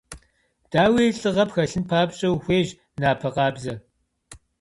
Дауи, лӏыгъэ пхэлъын папщӏэ ухуейщ напэ къабзэ.